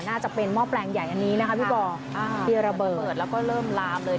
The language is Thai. น่าจะเป็นหม้อแปลงใหญ่อันนี้นะคะพี่บอกที่ระเบิดเปิดแล้วก็เริ่มลามเลย